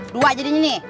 dua jadinya nih